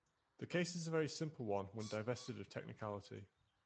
The case is a very simple one, when divested of technicality.